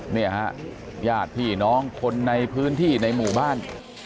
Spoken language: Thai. เนี่ยฮะญาติพี่น้องคนในพื้นที่ในหมู่บ้าน